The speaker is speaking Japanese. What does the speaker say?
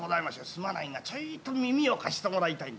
すまないがちょいと耳を貸してもらいたいんだ。